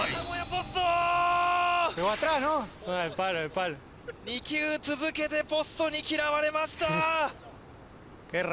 ポスト２球続けてポストに嫌われました